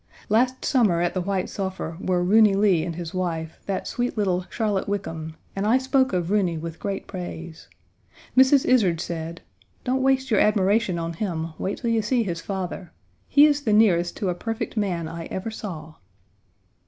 Last summer at the White Sulphur were Roony Lee and his wife, that sweet little Charlotte Wickam, and I spoke of Roony with great praise. Mrs. Izard said: "Don't waste Page 94 your admiration on him; wait till you see his father. He is the nearest to a perfect man I ever saw."